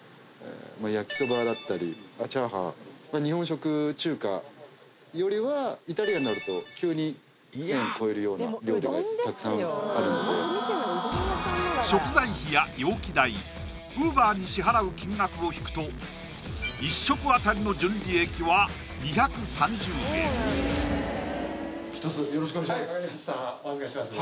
焼きそばだったりチャーハン日本食中華よりはイタリアンになると急に１０００円超えるような料理がたくさんあるので食材費や容器代ウーバーに支払う金額を引くと一食当たりの純利益は２３０円ひとつよろしくお願いします